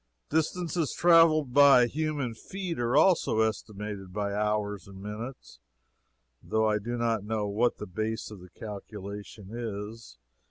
Distances traveled by human feet are also estimated by hours and minutes, though I do not know what the base of the calculation is.